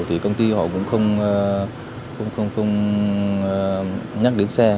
thì công ty họ cũng không nhắc đến xe